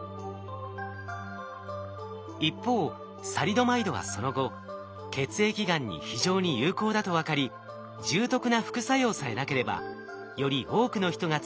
一方サリドマイドはその後血液がんに非常に有効だと分かり重篤な副作用さえなければより多くの人が使える薬になると期待されています。